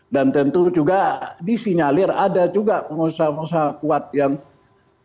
dan tentu juga di sinyalir ada juga pengusaha pengusaha kuat yang diperhitungkan